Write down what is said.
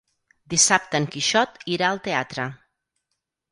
Dissabte en Quixot irà al teatre.